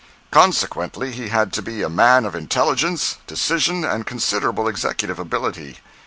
Consequently he had to be a man of intelligence, decision and considerable executive ability.